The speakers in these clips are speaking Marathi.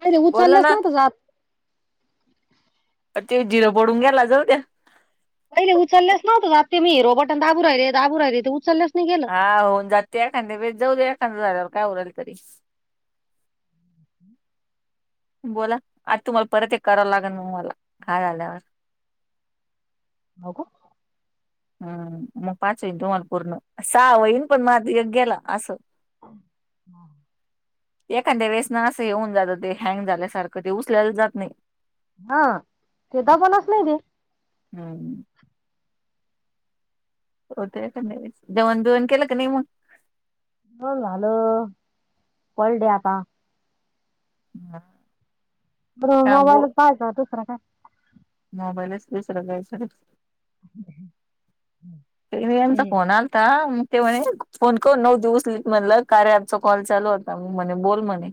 पहिले बोल उचललंच ना नव्हतं जात ते जिरो पडून गेला जाऊ त्या पहिले उचललेस नव्हत आता मी हिरो बटन दाबू राहिले दाबू राहिले ते उचललेस नाही. हा होऊन जात एखादे बे जाऊ दे एखाद झाल्यावर काय उल तरी हम्. बोला आता तुम्हाला परत एक करावं लागेल मग मला काय झाल्यावर हो का. हम्म मग पाच होईन तुम्हाला पूर्ण सहा होहीन पण माझ एक गेला असं हा. एखाद्या वेसना असं हेऊन जातं ते हँग झाल्यासारखं ते उचल्यालं जात नाही. हा ते दबनाच नाही ते. हम्. हो ते जेवण बीवण केलं का नाही मग. ब हॅलो कळडे आता हा. बर मोबाईल पाहयचा दुसरं काय? मोबाईलच दुसर. मचा ते फोन आलाता. ते म्हणे फोन करून नऊ दिवस ल म्हणलं काय आचा कॉल चालू होता म म्हणे बोल म्हणे.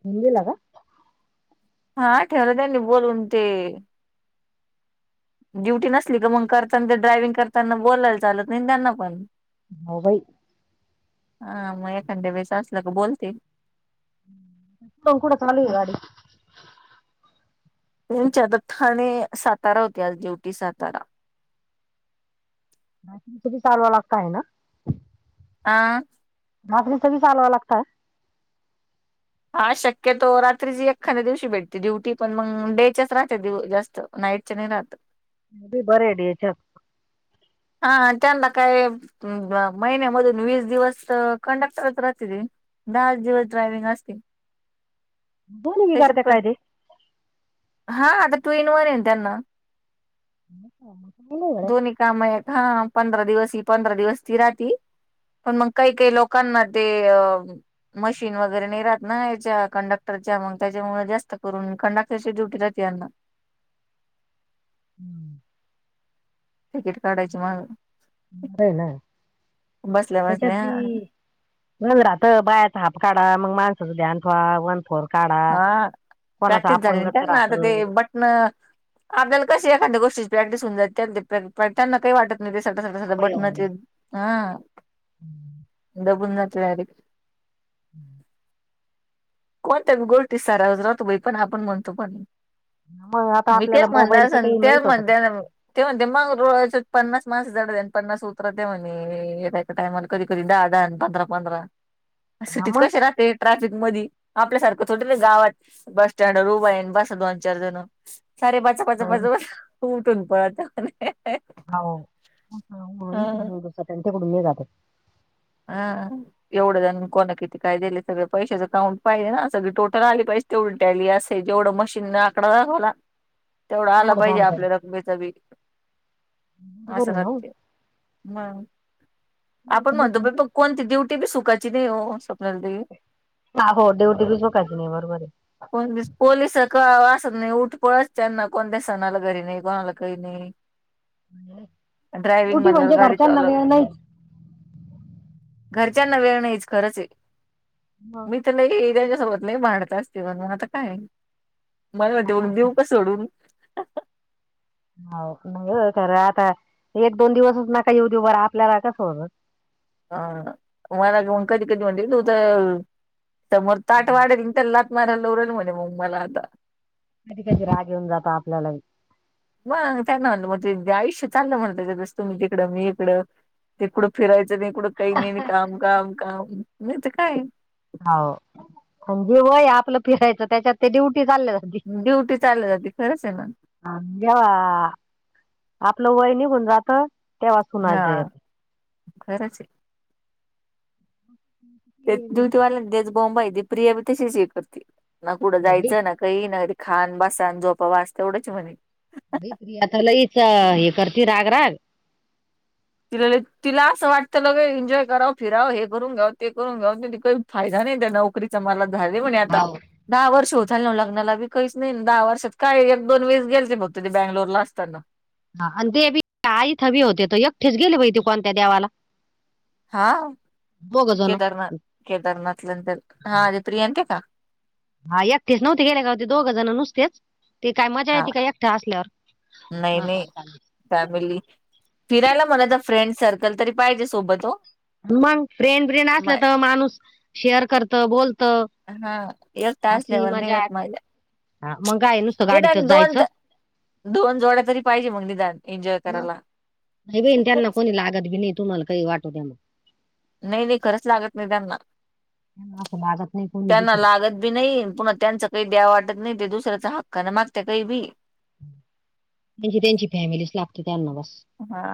घऊन गेला का? हा ठेवला त्यानी बोलून ते ड्युटी नसली का मग करताना ते ड्रायविंग करताना बोलायला चालत नाही त्यांना पण मबाई हा मग एखाद्या वेच असलं क बोलतील. क चलाली गाडी. त्यांच्या आता ठाणे सातारा होते आज ड्युटी सातारा चालवा लागतय ना. आ. भाजरी सग चालवा लागतात. हा शक्यतो रात्री ज एखाद्या दिवशी भेटते ड्युटी पण मग डेच्याच राहते दि जास्त नईट चेनला आत. मी बर डी चक हा त्यांना काय महिन्यामधून वीस दिवस कंडक्टरच राहते त दहाच दिवस ड्रायवि्हंग असतील. दोन्ही त्याच्यात बिघडते पण काय ते हा आता तू येनवन येन त्यांना ह का? दोन्ही काम आहेत हा पंधरा दिवस ह पंधरा दिवस ती रााती. पण मग काही काही लोकांना ते अ. मशीन वगैरे नाही राहत ना याच्या कंडक्टरच्या मग त्याच्यामुळे जास्त करून कंडक्टरची डुटी रााते यांना हम्. तिकीट काढायची मग बर आहे ना बसल्या त्याच्यात बसल्या बी म्ह राहत बायाचा हाप काढा मग माणसाचं ध्यान वा वन फोर काढा हा कोणाचं प्रॅक्टिस अपंगच झालीनंतर ना आता राहतं ते बट. न आपल्याला कशी एखाद्या गोष्टीची प्रॅक्टिस होऊन जात त्यांना काही वाटत. ते [inaudible] साधा सवय होऊन गेली. बटनाचे अ. [unintelligible] द [inaudible] [unintelligible] कोणत्या गोष्टी साराज राहतो बाई पण आपण म्हणतो पण मग आता मी आपल्याला तेच म्हणणार मोबाईलच काही संत्या माहित होतं का? मंद्यान व ते म्हणते मग रो पन्नास मास जड आणि पन्नास उतर ते म्हणे. टायमला की कधी दहा दहा पंधरा पंधरा हा सिटीत मग कश राहते ट्रॅफिक मध आपल्यासारखं थोट ना गावात बस सटँड रुबाईन बसा दोन चार जण सारे बाचा पाचापाच बस. ख उठून पळत. होस त्यांट कड मे गात. हा एवढं जाण कोणा किती काय दिले सगळ पैशाच काउंट पाहिजे ना सगळी टोटल आली पैसे ते उलट्याली असे जेवढं मशीन न आकडा लागवला तेवढं आला एवढं पाहिजे चालत. आपल्या रकमेच बी असं रते हम आपण म्हणतो पर कोणती ड्युटी बी सुखाची नाही हो स्वप्नाली ताई हा हो ड्युटी बीच म काही नाही बरोबर आहे कोणती पोललीस असत नाही उठ पळत त्यांना कोणत्या सणाला घरी नाही कोणाला काही नाही ड्रायविंग ड्युटी म्हणल्या म्हणजे गाडीच घरच्यांना अल वेळ नाहीच. घरच्यांना वेळणं हेच खरंच आहे हो मी [inaudible] नाही त्यांच्यासोबत नाही भांडता असते पण मग आता काय मला मती बघ देऊ का सोडून हो नाही तर आता एक दोन दिवसच नका इव दीउ वर आपल्याला का सोडत अ मला कधी कधी म्हणते तू तर समोर ताट वाढेल त्या लात मार्याला लवरेल म्हणे मग मला आता कधी कधी राग येऊन जात आपल्याला मग त्यांना म्हलं मग ते आयुष्य चांगलं म्हणतायस तुम्ही तिकडं मी इकडं इकडं फिरायचं नाहीकडं काही नाही काम काम काम नाही तर काय हो म्हणजे वय आपलं फिरायचं त्याच्यात ते ड्युटी चाल ड्युटी चाल जाते खरंच आहे मग जेव्हा आपलं वय निघून जात तेव्हा हा सुनाच खरंच आहे ते येत. दिवटवाल्या तेच बाँब आहे प्रिया तशीच हे करते ना कुठं होय जायचं ना काही नाही खान बसा आणि झोपावाच तेवढंच म्हणे अ प्रिया त लईच हे करती राग राग तिला तिला असं वाटत ल एन्जॉय कराव फिराव हे करून घेव ते करून घ्या व फायदा नाही त्या नोकरीचा मला झाले म्हण आता हाव. दहा वर्ष हो झाल ना लग्नाला बी काहीच नाही दहा वर्षात काय एक दोन वेळेस गेयचे बघत ते बँंगलोर ला असताना हा आणि तेबी आई हवी होते त एकटेच गेले बाई कोणत्या देवाला हा दोघ जण केदारनाथ केदारनाथलांतर हा अे प्रियांते का हा एकटेच नव्हती गेल्या का होते दोघ जण नुसतेच ते काय मजा हा येत काय एकटा असल्यावर नाही नाही फॅमिली फिरायला म्हणा तर फ्रेंड सर्कल तरी पाहिजे सोबत हो मग फ्रेंड फ्रेंड असलं मा- तर माणूस शेअर करत बोलत हा एकट असल्यावर नाही येत मजा हा मगय आहे नुसतं गाडी तर निदान दोन जायचं त- दोन जोड्या तरी पाहिजे मग निदान एन्जॉय करायला नाही बहीण त्यांना कोणी लागत बी नाही तुम्हाला काही वाटव त्या मग नाही नाही खरंच लागत नाही त्यांना त्यांना असं लागत नाही कोणी त्यांना दुसरं लागत बी नाही पुन्हा त्यांच काही द्या वाटत नाही ते दुसऱ्याचा हक्काने मागत काही बी त्यांची त्यांची फॅमिलीच लागते त्यांना बस हा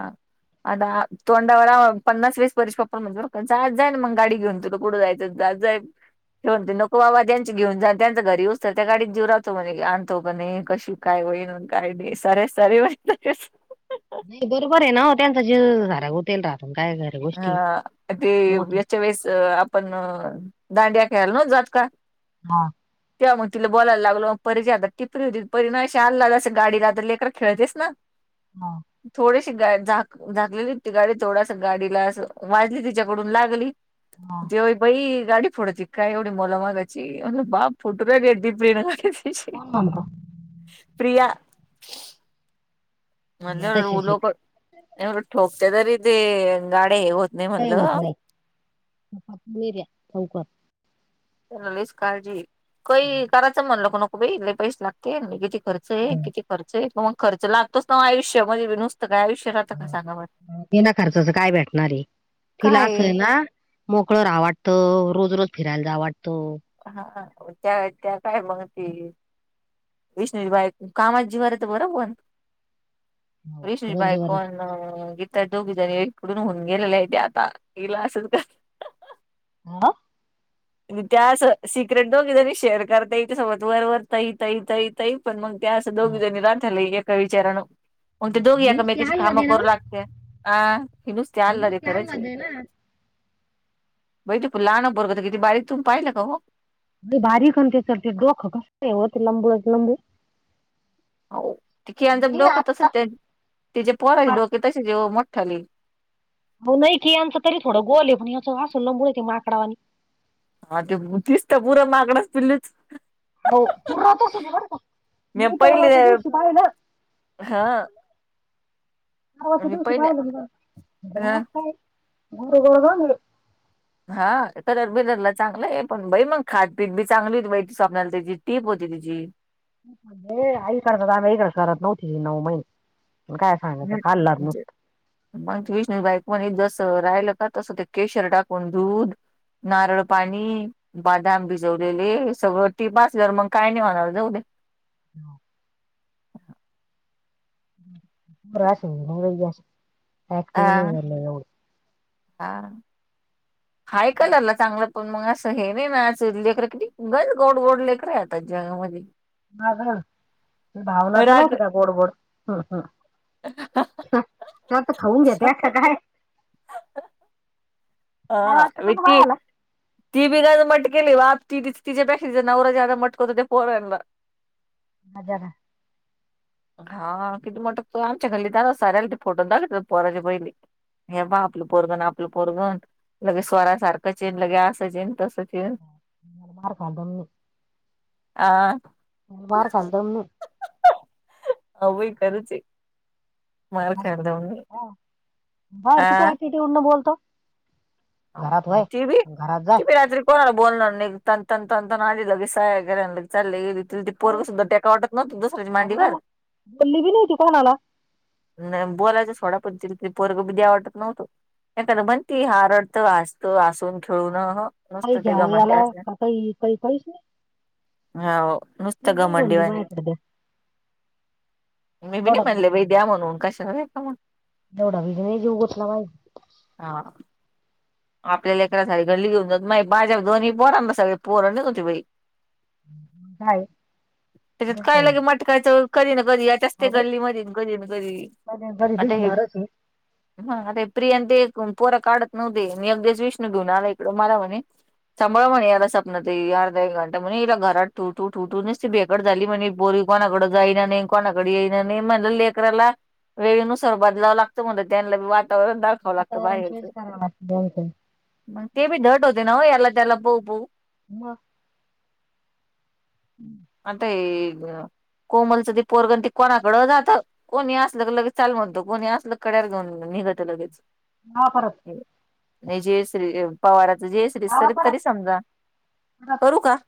आता तोंडावरला पन्नास वीस वर्षप म्हणजज जा ना म गडी घेऊन तुथं पुढं जाचं दाहेब हे म्हणते नको बाबा ज्यांचे घेऊन जा त्यांच्या घरी उचतर त्या गाडीत जीव राहतो म्हणे आणतो पण कशी काय वई कायडी सर सरी म नाही बरोबर आहे ना त्यांच झाऱ्या होट राहत काय कर. हा ते याच्या वेळेस आपण दांडिया खेळायला न्हव जात का? हा. तेव्हा मग तिला बोलायला लागल मग परजे आता टिपरी होती परी ना अश आल्ला असं गाडीला तर लेकर खेळतेस ना. [unintelligible] हा थोडीशी गा झाक झाकलेली ती गाडी थोडा सग गाडीला वाली तिच्याकडून लागली हा जेव्हा बई गाडी फोडच काय एवढडी मलमागाची म्हण बाप फुटू रडी प्रि गाडी कोण म्हणतो प्रिया म या तशाच आहे उलोक ठोकतेरी तेे अ गाडी हग होत. नाही का म्हणलं होत नाही्या चौक चलीच काळजी काही करायचं म्हणलं क नको बाले पैसे लागते किती? खर्च आहे किती खर्च आहे मग खर्च लागतोच नाग आयुष्यमध्येध्येे नुसतंयुष्य तना खर्चाच काय भेटणार आहे तिला असय काय ना. मोकळर आवटत रोज रोज फिरायला जा आवटतं. हा त्या त्या काय मगती विष्णूजी बाई कामा जी वर आहे तर बरोबर. ऋिषषभई रंजीवर येते कोण गी तर दोघी जण इकडून होऊन गेलेले आहे ते आता इल असं तर हा. म त्या अस सिक्रेट न कि मी शेअर करता येई सोबत वर वर तही तही तही तही पण मग त्या असं दोघी हा. जणी राांधला एका विचारान मग ते दोघी मी नुसती एकामेकीची आणला कामं दे ना करू मी लागत हा हनुस तल लाध्येे नुसती खरंच. आणला दे ना बई त प लहान बरगत किती बारीक तुून पाहिलं का हो. बारीकणते ते डोकं कस होते लंबूच लंबू हो त खिळच मी डोक आत्ता तसेच तिचे पोराचे डोके तसेचव मोठठाली हो नाही की यांचं तरी थोडं गोल आहे पण याचं वासूलंबड य ते माकडावानी हा तेतीस तर पुूर मागडच पिलुच. हो तू राहतो सु बर मी परवात देव शुभा आहे ना. हा बारवाचे मी दिवशी पहिले पाहिलं हा काय घर गोळ झा. हा कलर बीलरला चांगला आहे पण बाई मग खाटपीठ बी चांगली होती बाहिती स्वपनला त्याची टीप होती तिची आईकड आमहीक करत नऊ महिने पण काय? सांगायचं खाल्लात हम्जे. नुसतं मग विष्णूबाईक म्हणे जसं राहिल का तसं ते केशर टाकून दूध. नारळ पाणी बदाम भिजवलेले सगळं ती पाासल्यार मग काय नाही म्हणाला जाऊ दे. राश नाही अ ऍक्टिव्ह नाहीलं एवढ. हा हाय कलरला चांगलं. पण मग असं हे नाही ना आज लेकरं किती गच गोड गोड लेकरं आता जगामध्ये माझ भावनाचं नव्हत रात्र त्या गोडबोड हम हम्. तर आता खाऊन घेते असं काय? नाही हा वाटत का ती बाघ आला. ती बिघा मट केली वा त तिच्यापेक्षा नवरा ज्या मटकत ते पोऱ्यांना हजरा [inaudible] हा किती म्हटत तो आमच्या घल्ली दार्याला ते फोटो दाखव पोराचे पहिले [inaudible] हे बा आपलं पोरगण आपलं पोरगण लगे स्वरासारखं चेन लगे असं चेन तसं चेन [inaudible] ह बार खादा मी [unintelligible] आ. हही मला मार खाल दम नाही हो बाई खरच हे मार काढ दऊन [unintelligible] हा. बाहेर किती ऍटिट्यूड न बोलतो घरात ह वय ट भ घरात जाय टि भ रात्री कोणाला बोलणार तन तन तंत आली लगेय चालले गली ति त हो पोरवसद्धा टेका वाटत नव्हत दुसऱ्याचा ना मांडीवर बोलली बी नाही ती कोणाला बोलायच थोडा पण तिरी पोरग द्या वाटत नव्हतो [inaudible] एखदं म्हणती हा रडतं असत असून खेळून मसत काही ते ग घ्यावं म्हणते याला [unintelligible] अस का काही काही काहीच नाही ह. मस्त तीच बाई घमंडी म्हणली वाणी माझ्याकडे द्या एवढा बी द्या म्हणून काशा का म्हणून दवडावी ज नाही जऊ गोतला भाई [inaudible] हा आपल्याला एकरासाठी घडली घेऊन जात बाजप दोन्ही पोरां सग पोर होती बाई [unintelligible] काय त्याच्यात काय लगे मटकायच कधी ना कधी असते अहो बाई, गल्लीमध्येध कधी ना कधी कधी आता हे दिसणारच आहे ह अरे प्रियांंत एक पोरा काढत नव्हते मी अगदीच विष्णू घेऊन आला इकडं मरा म्हणे संांळ म्हणे यादा सपनत अर्ध एक घंट म्हणे येला घरात ठूठू ठुठू नसत बे [unintelligible] ड झाली म्हणजे बोरी कोणाकड जाईना नाही कोणाकडे येईना नाही म्हणलं लेकराला वेळेनुसार बदलावं लागतं म्हण त्यांना वातावरण दाखावं लागतं बाहेरचं हो का? मग ते बी ट होते ना याला त्याला बऊ बह [unintelligible] म हम् आता कोमलचं त पोरगं ती कोणाकडं जात कोणी असलं लगेच चाल म्हणतो कोणी असलं कड्यार घेऊन निघतं लगेच ह परत जयश्री पवाराच जयश्री लावा सर परत तरी समजा परत करू का